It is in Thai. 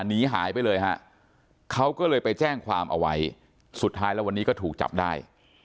หนีหายไปเลยฮะเขาก็เลยไปแจ้งความเอาไว้สุดท้ายแล้ววันนี้ก็ถูกจับได้